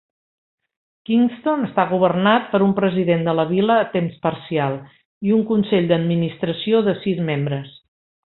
Kingston està governat per un president de la vila a temps parcial i un Consell d'administració de sis membres.